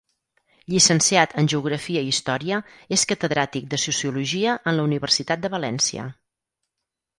Llicenciat en Geografia i Història, és catedràtic de Sociologia en la Universitat de València.